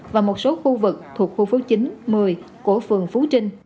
và một số khu vực thuộc khu phố chín một mươi của phường phú trinh